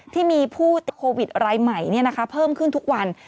ที่มีผู้ติดโควิดรายใหม่เพิ่มขึ้นทุกวัน